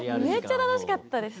めっちゃ楽しかった。